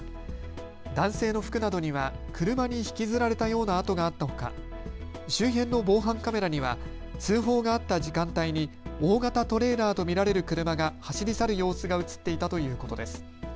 男性の服などには車に引きずられたような跡があったほか周辺の防犯カメラには通報があった時間帯に大型トレーラーと見られる車が走り去る様子が写っていたということです。